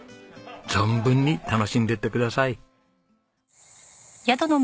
存分に楽しんでいってください。